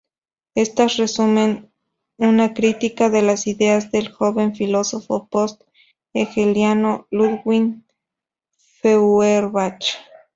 Estas resumen una crítica de las ideas del joven filósofo post-hegeliano Ludwig Feuerbach.